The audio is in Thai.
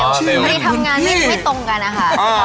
นอนเร็วไม่ได้ทำงานไม่ตรงกันนะคะ